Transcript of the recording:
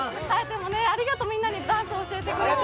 ありがと、みんなにダンス教えてくれて。